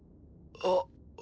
あっ。